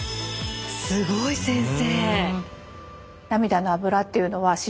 すごい先生！